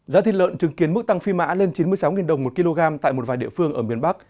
giá thịt lợn chứng kiến mức tăng phi mã lên chín mươi sáu đồng một kg tại một vài địa phương ở miền bắc